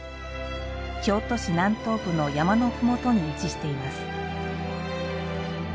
京都市南東部の山のふもとに位置しています。